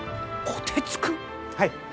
はい。